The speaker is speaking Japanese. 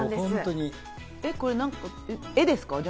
これ、絵ですか？